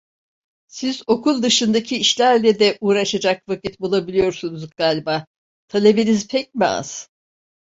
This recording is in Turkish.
Siz okul dışındaki işlerle de uğraşacak vakit bulabiliyorsunuz galiba, talebeniz pek mi az?